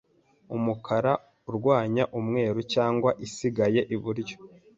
Umukara urwanya umweru cyangwa isigaye iburyo